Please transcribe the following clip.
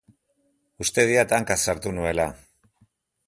Uste diat hanka sartu nuela.